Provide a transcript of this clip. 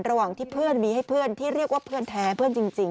ระหว่างที่เพื่อนมีให้เพื่อนที่เรียกว่าเพื่อนแท้เพื่อนจริง